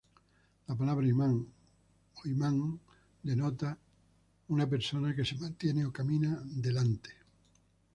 La palabra "Imam o Imán" denota una persona que se mantiene o camina "delante".